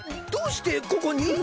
どどどうしてここに？